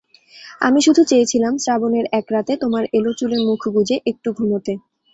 আমি শুধু চেয়েছিলাম, শ্রাবণের একরাতে তোমার এলোচুলে মুখ গুঁজে একটু ঘুমোতে।